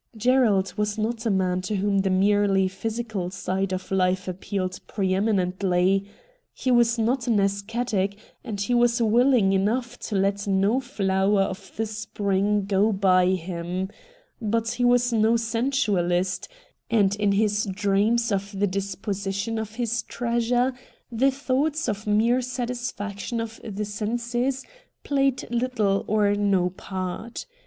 Gerald was not a man to whom the merely physical side of life appealed pre eminently He was not an ascetic, and he was willing enough to ' let no flower of the spring go by him '; but he was no sensualist, and in his dreams of the disposition of his treasure the thoughts of mere satisfaction of the senses played little or no part.